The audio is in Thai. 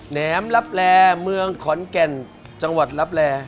แหมลับแลเมืองขอนแก่นจังหวัดลับแล